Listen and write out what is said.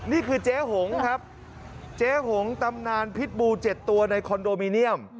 นี่คือเจ๊หงครับเจ๊หงตำนานพิษบู๗ตัวในคอนโดมิเนียม